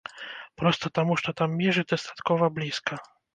Проста таму, што там межы дастаткова блізка.